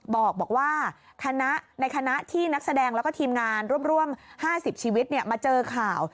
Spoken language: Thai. บอกว่าคณะในคณะที่นักแสดงแล้วก็ทีมงานร่วม๕๐ชีวิตมาเจอข่าว